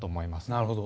なるほど。